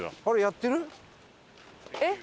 あれやってる？